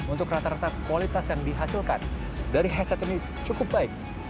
untuk rata rata kualitas yang dihasilkan dari headset ini cukup baik